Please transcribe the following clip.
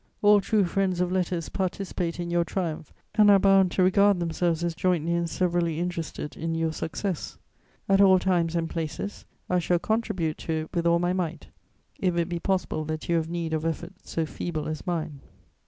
All true friends of letters participate in your triumph and are bound to regard themselves as jointly and severally interested in your success. At all times and places, I shall contribute to it with all my might, if it be possible that you have need of efforts so feeble as mine.